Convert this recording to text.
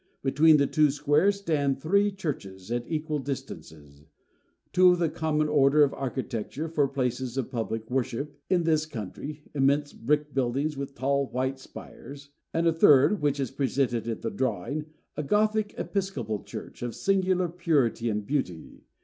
Between the two squares stand three churches, at equal distances; two of the common order of architecture for places of public worship in this country (immense brick buildings, with tall white spires); and a third, which is presented in the drawing, a Gothic episcopal church, of singular purity and beauty.